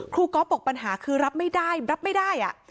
ก๊อฟบอกปัญหาคือรับไม่ได้รับไม่ได้